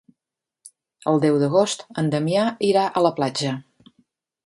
El deu d'agost en Damià irà a la platja.